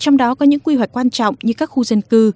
trong đó có những quy hoạch quan trọng như các khu dân cư